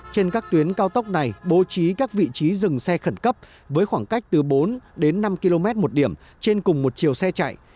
trên các tuyến cao tốc này bố trí các vị trí dừng xe khẩn cấp với khoảng cách từ bốn đến năm km một điểm trên cùng một chiều xe chạy